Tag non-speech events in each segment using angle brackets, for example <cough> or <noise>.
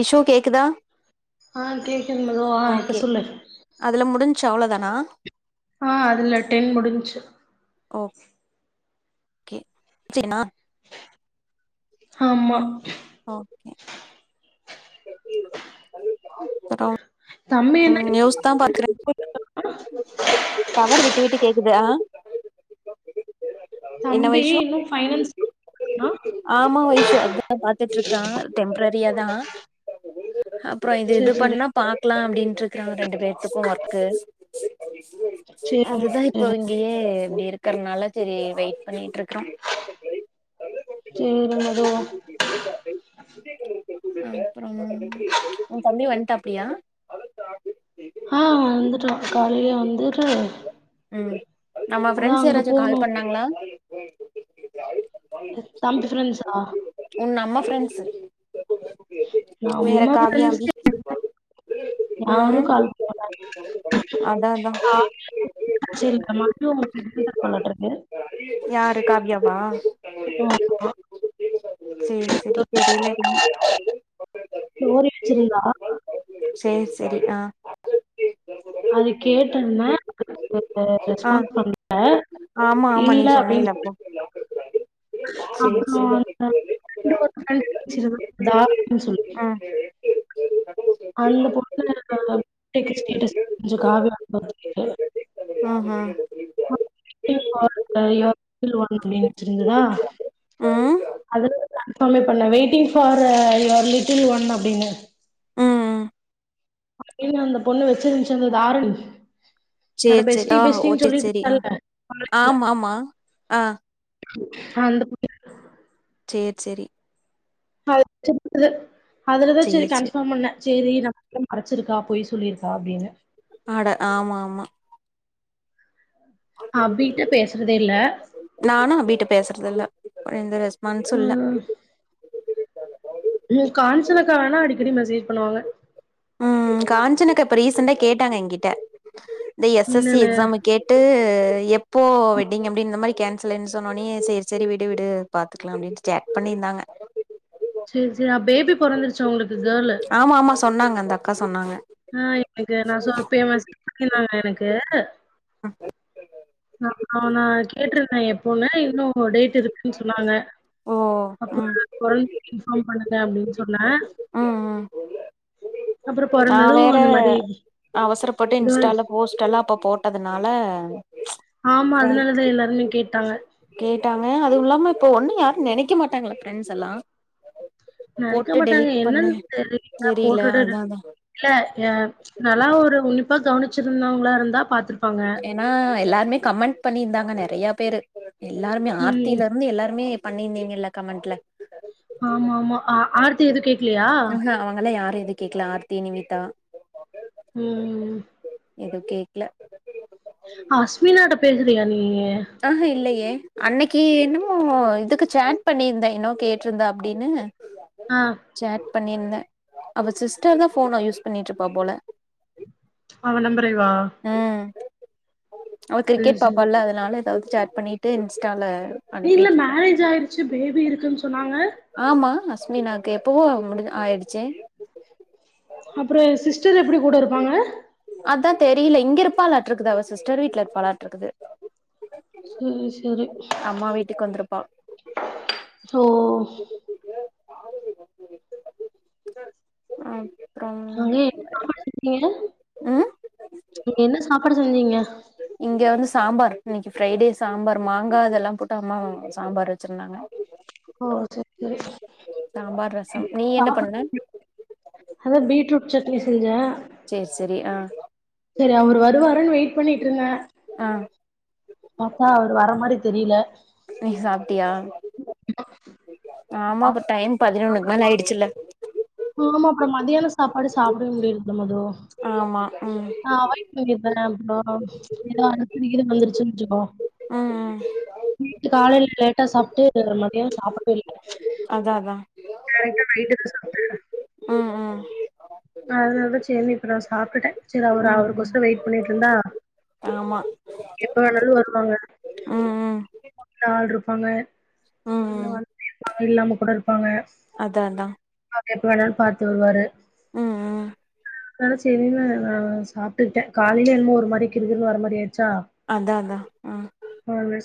Issue கேக்குதா ஆ கேக்குது மனோ ஆ இப்ப சொல்லு ச் அவ்ளோ தானா அ அதுல டென் முடிஞ்ச்சு ஓகே செரினா ஆமா ஓக்கே <inaudible> தம்பி என்ன ம் நியூஸ் தா பாக்குற டவர் விட்டு விட்டு கேக்குது அ என்ன தம்பி வைஷூ இன்னு ஃபைனல்ஸ் ஆமா வைஷு அதா பாத்துட்ருக்கா டெம்ப்ரர் ரியாதா அப்றோ இது சேரி இது சேரி பண்ணா பாக்லா அப்டின் ட்ருக்காங்க ரெண்டு பேத்தக்கு ஒர்க்க்கு சேரிமா அதுதா இப்போ சேரி இங்கியே பேரு க்கற்னால செரி வெயிட் பண்ணிட்ருக்குறோ சேரி மது அப்றோ உ தம்பி வந்ட்டாப்டியா ஹா வந்துட்டா காலைலே வந்துட்டு ம் நம்ம அதா ஃபிரெண்ட்ஸ் அங்க யாராச்சு போணு கால் பண்ணாங்ளா எ குட்டி தம்பி ஃபிரென்ட்ஸா உ நம்ம ஃப்ரெண்ட்ஸு வேற நம்ம காவ்யா ஃப்ரெண்ட்ஸ் அபி யாரு ம் கால் பண்ண மாட்டாங்க அதா அதா சரி அந்த மது <unintelligible> இருப்பாலாட்ருக்கு யாரு காவ்யாவா ஆ சேர் செரி தெரில இன்னோ ஸ்டோரி வெச்சிருந்தா சேர் செரி ஆ அது கேட்டேன்ன ஆ ரெஸ்பான்ஸ் பண்ணல ஆமா ஆமா நீ இல்ல அப்படின் சொன்னேல அப்போ <inaudible> சேரி அப்றோ சேரி <inaudible> அந்த பொண்ணு <inaudible> ம் ம் <inaudible> ம் அதுலதா கன்பார்மே பண்ணே waiting for your little one அப்டினு ம் அப்டினு அந்த பொண்ணு வச்சிருந்துச்சு அந்த தாரணி என்னோட சேரி சேரி பெஸ்டி ஆ பெஸ்டின்னு ஓகே சொல்லிட்டு சேரி ஆ இருந்தால்ல காலேஜ்ல ஆமா ஆமா ஆ அந்த <inaudible> சேரி சேரி <inaudible> அதுலதா சேரி கன்பார்ம் பண்ணே சேரி நம்மகிட்ட மறச்சிருக்கா பொய் சொல்லிருக்கா அப்படின்னு ஆட ஆமா ஆமா அபிட்ட பேசுறதே இல்ல நானு அபிட்ட பேசுறதில்ல எந்த ரெஸ்ப் பான்சு இல்ல ம். ம் காஞ்சனா அக்கா வேனா அடிக்கடி மெசேஜ் பண்ணுவாங்க ம் காஞ்சனக்கா இப்ப ரீசண்டா கேட்டாங்க ஏன்கிட்ட இந்த எஸ் எஸ் சி என்னன்னு எக்ஸாம கேட்டு எப்போ வெட்டிங் அப்டின்னு இந்த மாரி கேன்சல்ன்னு சொன்னொனயே சேரி சேரி விடு விடு பாத்துக்கலா அப்டின்னு சேட் பண்ணியிருந்தாங்க சேரி சேரி அப் பேபி பிறந்துருச்சா உங்களுக் ஆமா ஆமா சொன்னாங்க அந்த அக்கா சொன்னாங்க ஆ எனக்கு நா <inaudible> எனக் க்கு அ நா அவன கேட்டிருந்தே எப்பன்னு இன்னு டேட் இருக்குன்னு சொன்னாங்க ஓ அப்பறோ ம் <inaudible> இன்ஃபார்ம் பண்ண த அப்டின்னு சொன்னே ம் ம் அப்புறோ பொ நா வேற அவசரப்பட்டு கேர்ள் இன்ஸ்டால போஸ்ட் ல்லா இப்ப போட்டதுனால ஆமா ஃப்ரெண்ட் அதனாலதா எல்லாருமே கேட் டாங்க கேட்டாங்க அதுவு இல்லாம இப்ப ஒண்ணு யாரு நெனைக்க மாட்டாங்கள ஃப்ரெண்ட்ஸ் எல்லா நெனைக்க போட்டு மாட்டாங்க டெலிட் பண்ண என்னன் தெரில போட்டுட்டு அதா அதா இல்ல ஏ நல்லா ஒரு உன்னிப்பா கவனிச்சிருந்தவ்ங்களா இருந்தா பாத் ஏன்னா எல்லாருமே கமெண்ட் பண்ணிர்ந்தா அ நெறையா பேரு எல்லாருமே ம் ஆர்த்திலருந்து எல்லாருமே பண்ணிருந்தீங்கல்ல கமெண்ட்ல ஆமா ஆமா ஆ ஆர்த்தி எது கே ஆ ஹ அவுங்கல்ல யாரு எ து கேக்ல ஆர்த்தி நிவிதா ம் ம் ம் எது கேக்ல பேஸ்லையா நீயி ஆ ஹ இல்லையே அன்னக்கி என்னமோ இதுக்கு சேட் பண்ணியிருந்த என்னவோ கேட்ருந்தாப்புடின்னு ஆ சேட் பண்ணியிருந்த அவ சிஸ்டர் தா ஃபோன யூஸ் பண்ணிட்ருப்பா போல அவ நம்ப <unintelligible> ம் அவ கிரிக்கெட் பாப்பால்ல அதனால ஏதாவ்து சேட் பண்ணிட்டு இன்ஸ்டால இல்ல அனுப்பிட்டு இருப்பே மேரேஜ் ஆயிருச்சு பேபி இருக்குன் சொன்னாங்க ஸ்மினாக்கு எப்பவோ முடி ஆயிடுச்சி அப்பறோ ஏ சிஸ்டர் எப்டி கூட இருப்பாங்க அதா தெரியில இங்க இருப்பாளாட்ருக்குது அவ சிஸ்டர் வீட்ல இருப்பாளாட்ருக்குது சேரி சேரி அ ஓ அ அங்க என்ன ம் <inaudible> என்ன சாப்பாடு செஞ்சீங்க இங்க வந்து சம்பாரு இன்னக்கி ஃப்ரைடே சாம்பார் மாங்கா அதெல்லா போட்டு அம்மா சாம்பார் வெச்சிருந்தாங்க ஓ செர் சாம்பார் ரசம் நீ என்ன சாப்பாடு பண்ண அதா பீட்ரூட் சட்னி செஞ்ச சேர் செரி அ செரி அவரு வருவாருன்னு வெயிட் பண்ணிட்ருந்தே ஆ பாத்தா அவரு வர மாரி தெரில நீ சாப்ட்டியா ஆமா இப்ப டைம் பதினொன்னுக்கு மேல ஆய்டுச்சுல்ல ஆமா அப்புறம் மத்தியானம் சாப்பாடு சாப்பிடவே முடியுறதில்ல மது ஆமா உம் அ அப்றோ ச் ஏதோ அடுத்து வீடு வந்துருச்சுன் வச்சுக்கோ உம் உம் நைட்டு காலையில லேட்டா சாப்ட்டு மதியோ சாப்டவே இல்ல அதா அதா ச் டாரெக்ட்டா நைட்டுக்கு ம் ம் அதுனால தா சேரின்னு இப்ப நா சாப்டுட்டேன் சரி அவர் ம் ம் அவருக்கொசரம் வெயிட் பண்ணிட்டு இருந்தா ஆமா எப்ப வேணாலு வரு அவுங்க உம் உம் ஆள் இருப்பாங்க எல்லாம் வந் இல்லாம கூட இருப்பாங்க அதா அதான் எப்ப வேணாலு பாத்து வருவாரு ம் அதான் சேரின்னு நா சாப்ட்டுக்கிட்டேன் காலேல என்னமோ ஒரு மாரி கிறுகிறுன்னு வர்ற மாரி ஆய் அதா அதான் உம்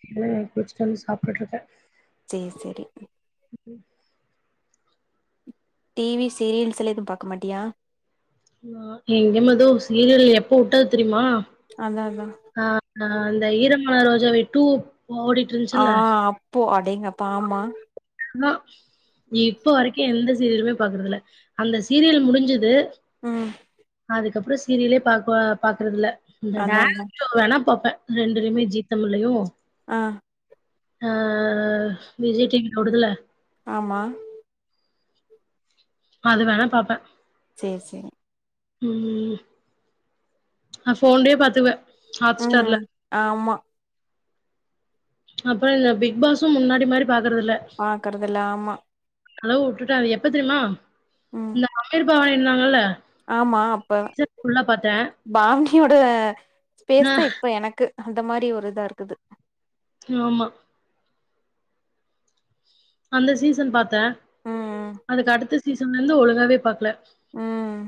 அதா குளிச்சுட்டு வந்து சாப்ட்டுட்டு இருக்கேன் சேர் செரி <unintelligible> டி வி சீரியல்ஸ்ல எதும் பாக்க மாட்டியா எங்கே மது சீரியல் எப்ப உட்டது தெரிமா அதா அ ஆ ஆ அந்த ஈரம் மான ரோஜாவே டூ ஆ அப்போ அ அடேங்கப்பா ஆமா இன்னோ இப்ப வரைக்கு எந்த சீரியலுமே பாக்குறதுல்ல அந்த சீரியல் முடுஞ்சது உம் அதுக்கப்றோ சீரியலே பாக்குவ பாக்குறதில்ல இந்த அதா அதா டான்ஸ் ஷோ வேணா பாப்பே ரெண்டுலயுமே ஜீ தமிழ்லயு ஆ ஆ விஜய் டீ வி ஓடுதுல ஆமா அது வேணா பாப்பே சேர் சேரி ம் நா போன்லயே பாத்துவே ம் ஆமா அப்புற இந்த பிக் பாசூ முன்னாடி மாரி பாக்குறதில்ல ஆமா அதெல்லா உட்டுட்டே அது எப்ப தெரியுமா ம் இந்த அமிர் பாவ்னி இருந்தாங்கல்ல ஆமா அப்ப சீசன் ஃபுல்லா பாத்தேன். பாவ்னி வாணியோட ஆ பேசஸ்தா இப்ப எனக்கு அந்த மாரி ஒரு இதா இருக்குது ஆமா அந்த சீசன் பாத்த ம் அதுக்கு அடுத்த சீசன்லருந்து ஒழுங்காவே பாக்கல ம்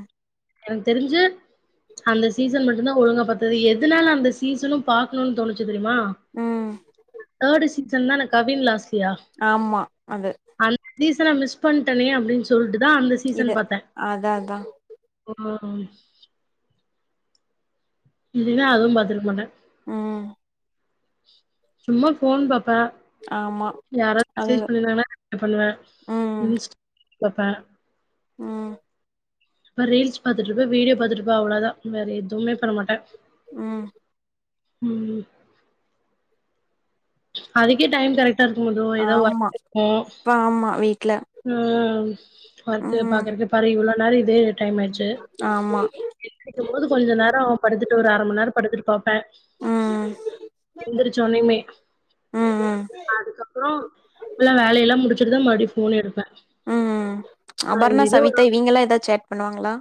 எனக்கு தெரிஞ்சு அந்த சீசன் மட்டுதா ஒழுங்கா பாத்த எதுனால அந்த சீசனு பாக்கணும்னு தோணுச்சு தெரியுமா ம் ம் தேர்டு சீசன்தான கவின் லாஸ்லியா ஆமா அது அந்த சீசன மிஸ் பண்ட்டனே அப்டீன்னு சொல்ட்டு தா அந்த சீசன் இது பாத்தே அதா அதா ம் இல்லின்னா அதுவு பாத்ருக்கமாட்ட ம் சும்மா ஃபோன் பாப் ப ஆமா யாரது அது மெசேஜ் பண்ணீர்தாங்னா ரீப்லே பண்ணுவ ம் பாப்ப ம் இப்ப ரீல்ஸ் பாத்துட்டிருப்ப வீடியோ பாத்துட்டிருப்ப அவ்ளோதா வேற எவுமே பண்ணமாட்ட ம் ம் அதுக்கே டைம் கரெக்ட் ட்டா போது ஏதா ஆமா ஒர்க்கு இருக்கு இப்ப ஆமா வீட்ல ம் ஒர்க்கு ம் பாக்குறது பாரு இவ்ளோ நேரோ இதே டைம் ஆய்டுச்சு ஆமா <unintelligible> போது கொஞ்ச நேரோ படுத்துட்டு ஒரு அர மண் நேரோ படுத்துட்டு பாப்பே ம் எந்திரு சொன்னியுமே ம் ம் அதுக்கப்றோ எல்லா வேலயெல்லா முடிச்சுட்டுதா மறுடி ஃபோன் எடுப்பே ம் நா இந்த அபர்ணா இது சவித்தா இவிங்கெல்லா ஏதா சேட் பண்ணுவாங்களா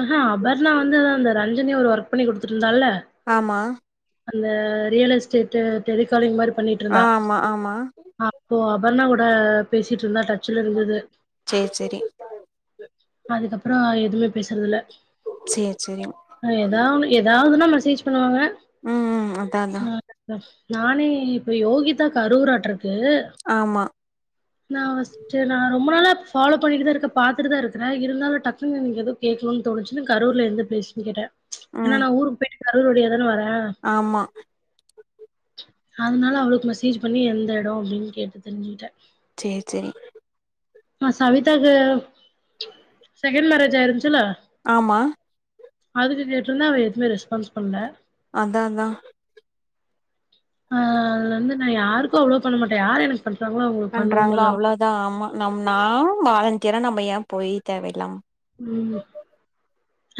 ஆஹா அபர்ணா வந்து அந்த ரஞ்சனி ஒரு ஒர்க் பண்ணி கொடுத்துட்டு இருந்தால்ல ஆமா அந்த ரியல் எஸ்டேட்டு டெலிக்காலி்ங் மாரி பண்ணிட்டு ஆ ஆமா ஆமா பர்ணா கூட பேசிட் ட்ருந்தா டச்ல இருந்துது சேரி சேரி அதுக்கப்றோ எதுமே ல்ல சேரி சேரி ஏதாவொன்னு ஏதாவ் துனா மெசேஜ் பண்ணுவாங்க ம் ம் அதா அதா நா க்ரஸ் நானே இப்ப யோகிதா கரூராட்ருக் க்கு ஆமா நா சே நா ரொம்பளால ஃபாலோ பண்ணிட்டுதா இருக்கே பாத்துட்டுதா இருக்றே இருந்தாலு டக்குன்னு எதோ கேக்கணுன் தோணுச்சு கரூர்ல எந்த ப்லேஸ்னு கேட்டே என்னா ம் நா ஊருக்கு போய் கரூர் வழியா தானே வர ஆமா அதனால அவளுக்கு மெசேஜ் பண்ணி எந்த எடம் அப்படின்னு கேட்டு தெரிஞ்சுக்கிட்டே சேரி சேரி ஆ சவிதாக்கு செகண்ட் மேரேஜ் ஆயிருந்துச்சுல ஆமா அதுக்கு கேட்டிருந்தா அவ எதுவுமே ரெஸ்பான்ஸ் பண்ல அதா அதா ஆ அது வந்து நா யாருக்கு அவ்வளோ பண்ணமாட்டே யாரு எனக் பண்றாங்களோ அவ்வளோதா ஆமா நம் நா வாலண்டியரா நம்ம ஏ போய் தேவ இல்லாம ம்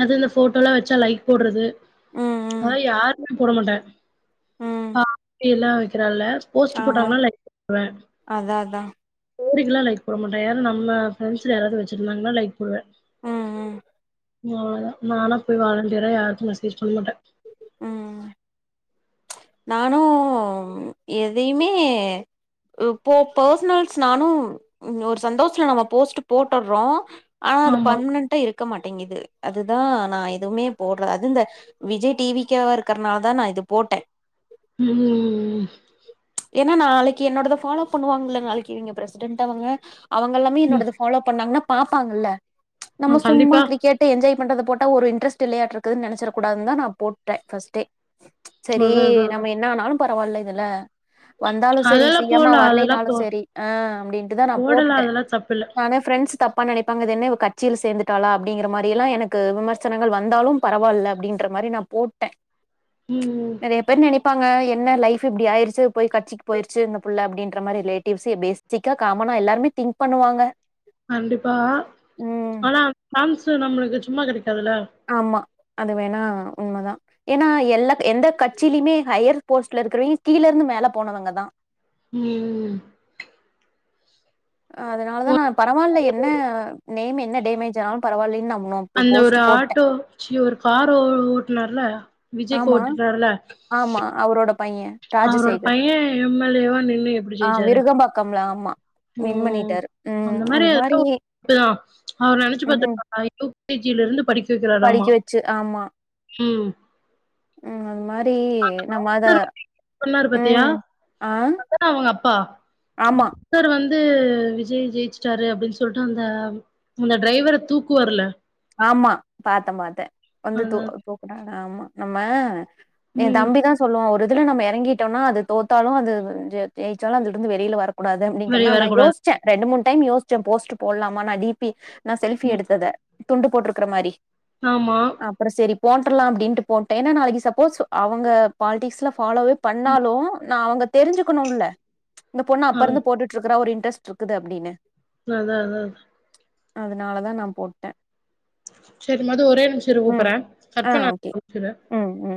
அது இந்த போட்டோல்லா வச்சா லைக் போடுறது ம் ம் ஆ யார் போட மாட்டே ம் பா எல்லா வைக்கிறால போஸ்ட் ஆமா போட்டாங்கன்னா லைக் பண்ணுவே அதா அதா ஸ்டோரிக்கெல்லா லைக் போட மாட்டே யாரு நம்ம ஃபிரண்ட்ஸ்ல யாராவது வச்சிருந்தாங்கன்னா லைக் போடுவே ம் ம் அவ்ள தா நானா போயி வாலண்டியரா யாருக்கு மெசேஜ் பண்ண மாட்டே உம் நானு எதயுமே போ பர்சனல்ஸ் நானு ஒரு சந்தோசத்துல நம்ம போஸ்ட் போட்டர்றோ ஆனா அது ஆமா பர்மனன்டா இருக்க மாட்டிங்குது அதுதா நா எதுவுமே போட்ற அது இந்த விஜய் டி வி கே வ இருக்கறனால தா நா இது போட்டே உம் ஏனா நாளைக்கு என்னோடத ஃபாலோ பண்ணுவாங்கல்ல நாளைக்கு இவங்க பிரசிடென்ட்டவங்க அவங்கெல்லாமே என்னோடத ஃபாலோ பண்ணாங்கன்னா பாப்பாங்கல்ல நம்ம ம் சும்மா கண்டிப்பா கிரிக்கெட்ட என்ஜாய் பண்றத போட்ட ஒரு இன்டரஸ்ட் இல்லையாட்ருக்குது நெனைச்சறக்கூடாதுந்தா நா போட்டே ஃபர்ஸ்ட்டே சரி அதா அதா அதா நம்ம என்ன ஆனாலு பரவால்ல இல்ல வந்தாலு செரி அதெல்லா சி எம் மா போட்லா அதெல்லா வரலினாலு போ சரி ஆ அப்படின்ட்டு தா நா போடலா போட்டுட்டே அதெல்லா தப்பில்ல நானு ஃப்ரெண்ட்ஸ் தப் பா நெனைப்பாங்க அது என்ன இவ கட்சியில சேர்ந்துட்டாளா அப்படிங்கிற மாரி எல்லா எனக்கு விமர்சனங்கள் வந்தாலு பரவால்ல அப்டின்ற மாரி நா போட்டே ம் நெறைய ப்பாங்க என்ன லைஃப் இப்படி ஆயிருச்சு போய் கட்சிக்கு போயிருச்சு இந்த புள்ள அப்படின்ற மாரி ரிலேட்டிவ்ஸ் பேசிக்கா காமனா எல்லாருமே திங்க் பண்ணுவாங்க கண்டிப்பா ம் ஆனா சான்ஸு நம்மளுக்கு சும்மா கெடைக்காதில்ல ஆமா அது வேணா உண்ம தா ஏனா எல்லா எந்த கட்சியிலியுமே ஹையர் போஸ்ட்ல இருக்கிறிவி கீழருந்து மேல போனவங்க தா உம் அதனால தா நா பரவால்ல என்ன நேம் என்ன டேமேஜ் ஆனாலு பரவால்லைன் நம் அந்த ஒரு ஆட்டோ ச்சி ஒரு கார் ஓ ஓட்டுனார்ல்ல ஆமா ஆமா அவரோட பையன் அவரோட ராஜசேகர். பையே எம் எல் ஏ வா நின்னு எப்டி ஜெயிச்சாரு மா ஓ அந்த மாரி <inaudible> அவரு நெனச்சு ம். பாத்திருப்பாரா <inaudible> கே ஜி யிலிருந்து படிக் படிக்க வச்சு ஆமா ம் அ <inaudible> சொன்னாரு பாத்தியா ம். ஆ. <inaudible> அவங்கப்பா ஆமா, <inaudible> வந்து விஜய் ஜெயிச்சுட்டாரு அப்டின் சொல்ட்டு அந்த அந்த ட்ரைவர தூக்குவாருல்ல ஆமா பாத்த பாத்தே வந்து அந்த தூ தூக்குனாரு ஆமா நம்ம ஏ ம் தம்பி தா சொல்லுவா ஒரு இதுல நம்ம இறங்கிட்டோம்னா அது தோத்தாலு அது ஜெ ஜெயிச்சாலு அதுலருந்து வெளில வர கூடாது வெளிய அடிங்கற நா வரக்கூடாது யோஷ்ச்சே ரெண்டு மூனு டைம் யோஷ்ச்சே போஸ்ட் போடலாமா நா டிபி நா செல்ஃபி எடுத்தத துண்டு போட்ருக்ற மாரி ஆம்மா போட்றல்லா அப்டின்ட்டு போட்டே ஏனா நாளக்கு சப்போஸ் அவங்க பால்ட்டிஸ்ல ஃபாலோவே பண்ணாலு நா அவங்க தெரிஞ்சுக்கணுல்ல இந்த பொண்ணு ஆ அப்பருந்து போட்டுடுருக்கறா ஒரு ன்ரஸ்ட் இருக்குது அப்டின்னு அதான் அதான் அதனாலதா நா போட்டே சரி மது ஒரே நிம்ஷோ இரு ம். கூப்ற்றே கட் ஆ பண்ண <unintelligible> ஓகே. ஒரு நிமிசம் இரு ம், ம்.